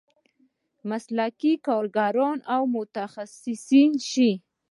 مسلکي کارګران او متخصصین شي.